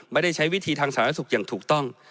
ไม่ได้ใช้วิธีทางสาธารณสุขอย่างถูกต้อง